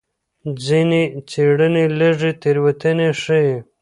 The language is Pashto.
ځینې څېړنې لږې تېروتنې ښيي.